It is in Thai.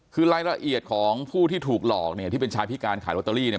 คือรายละเอียดของผู้ที่ถูกหลอกเนี่ยที่เป็นชายพิการขายลอตเตอรี่เนี่ย